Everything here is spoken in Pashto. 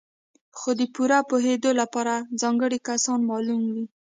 خو د پوره پوهېدو لپاره ځانګړي کسان معلوم وي.